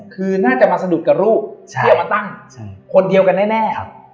คือน่าจะมาสะดุดกับรูปที่เอามาตั้งคนเดียวกันแน่